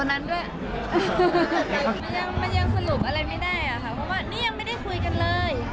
นั้นด้วยมันยังสรุปอะไรไม่ได้อะค่ะเพราะว่านี่ยังไม่ได้คุยกันเลย